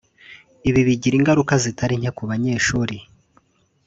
Ibi bigira ingaruka zitari nke ku banyeshuri